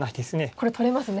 これ取れますね。